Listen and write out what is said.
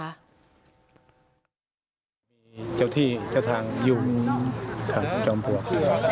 มีเจ้าที่เจ้าทางอยู่ข้างจองปลวก